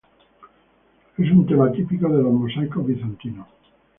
Es un tema típico de los mosaicos bizantinos.